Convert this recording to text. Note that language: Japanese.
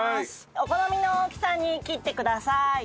お好みの大きさに切ってください。